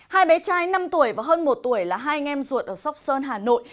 hai bé trai năm tuổi và hơn một tuổi là hai anh em ruột ở sóc sơn hà nội